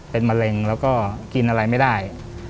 เป็นมะเร็งแล้วก็กินอะไรไม่ได้